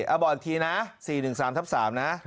เอาบอกอีกทีนะ๔๑๓ทับ๓นะ